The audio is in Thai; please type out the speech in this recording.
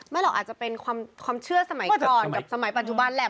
หรอกอาจจะเป็นความเชื่อสมัยก่อนกับสมัยปัจจุบันแหละ